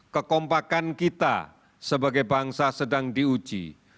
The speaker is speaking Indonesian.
kekompakan kita sebagai bangsa sedang diuji